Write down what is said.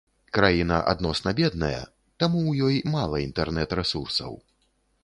Краіна адносна бедная, таму ў ёй мала інтэрнет-рэсурсаў.